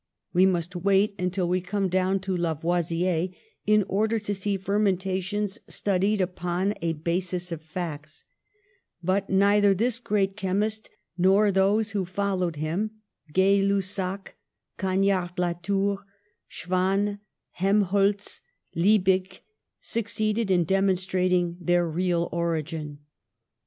We must wait until we come down to Lavoisier in order to see fer mentations studied upon a basis of facts, but neither this great chemist nor those who fol lowed him, Gay Lussac, Cagniard Latour, Schwann, Helmholtz, Liebig, succeeded in dem onstrating their real origin.